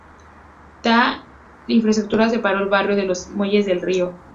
Tal infraestructura separó el barrio de los muelles del río.